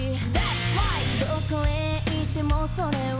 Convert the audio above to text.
「どこへ行ってもそれは」